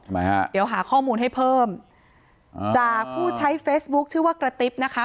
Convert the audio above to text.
ทำไมฮะเดี๋ยวหาข้อมูลให้เพิ่มอ่าจากผู้ใช้เฟซบุ๊คชื่อว่ากระติ๊บนะคะ